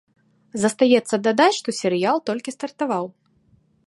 Застаецца дадаць, што серыял толькі стартаваў.